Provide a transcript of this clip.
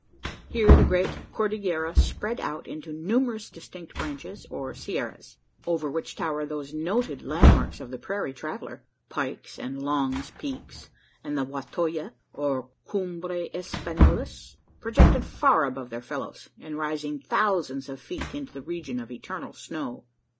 Here the great Cordillera spread out into numerous distinct branches or "Sierras," over which tower those noted landmarks of the prairie traveller, "Pike's" and "Long's" Peaks, and the "Wa to ya" or "Cumbres Espanolas"; projected far above their fellows, and rising thousands of feet into the region of eternal snow.